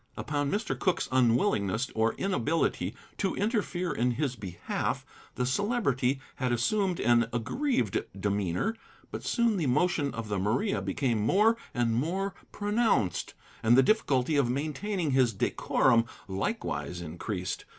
Upon Mr. Cooke's unwillingness or inability to interfere in his behalf, the Celebrity had assumed an aggrieved demeanor, but soon the motion of the Maria became more and more pronounced, and the difficulty of maintaining his decorum likewise increased.